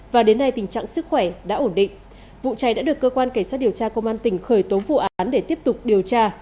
và đến nay tình trạng sức khỏe đã ổn định vụ cháy đã được cơ quan cảnh sát điều tra công an tỉnh khởi tố vụ án để tiếp tục điều tra